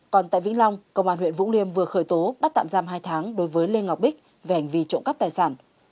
còn tại vĩnh long công an huyện vũng liêm vừa khởi tố bắt tạm giam hai tháng đối với lê ngọc bích về hành vi trộm cắp tài sản